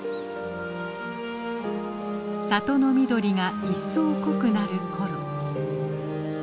里の緑が一層濃くなる頃。